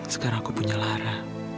sekarang aku punya lara